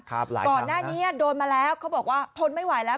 ก่อนหน้านี้โดนมาแล้วเขาบอกว่าทนไม่ไหวแล้ว